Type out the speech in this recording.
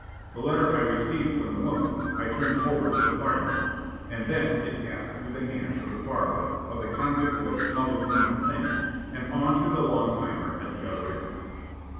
The letter I had received from the woman I turned over to the fireman, and thence it passed through the hands of the barber, of the convict who had smuggled in my things, and on to the long timer at the other end.